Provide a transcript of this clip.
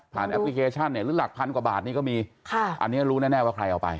แอปพลิเคชันเนี่ยหรือหลักพันกว่าบาทนี่ก็มีค่ะอันนี้รู้แน่ว่าใครเอาไป